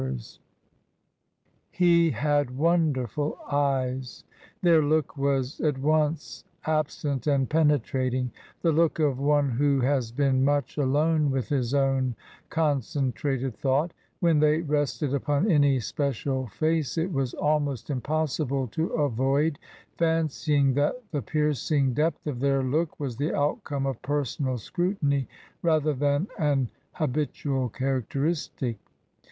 it u 42 TRANSITION. He had wonderful eyes ; their look was at once absent and penetrating — the look of one who has been much alone with his own concentrated thought When they rested upon any special face it was almost impossible to avoid fancying that the piercing depth of their look was the outcome of personal scrutiny rather than an habitual characteristic.